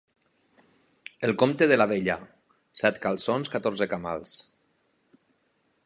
El compte de la vella: set calçons, catorze camals.